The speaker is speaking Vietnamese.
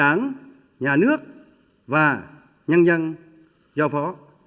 các đảng nhà nước và nhân dân do phó